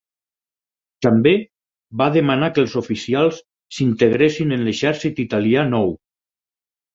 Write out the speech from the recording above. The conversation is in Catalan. També va demanar que els oficials s'integressin en l'exèrcit italià nou.